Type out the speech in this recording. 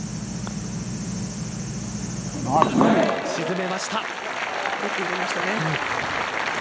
沈めました。